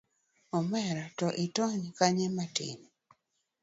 omera to nitony kanyo matin.